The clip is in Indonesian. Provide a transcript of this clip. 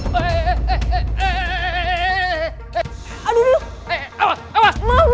teriakan dulu coy